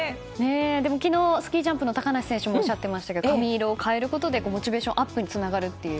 昨日、スキージャンプの高梨選手もおっしゃっていましたが髪色を変えることでモチベーションアップにつながるっていう。